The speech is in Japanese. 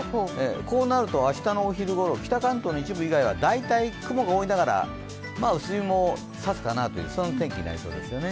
こうなると明日のお昼ごろ北関東の一部は大体雲が多いながら薄日もさすかなという、そんな天気なんですよね。